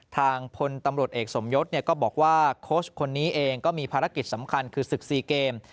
ทางพลตำรวจเอกสมยศก็บอกว่าโค้ชคนนี้เองก็มีภารกิจสำคัญคือศึก๔เกม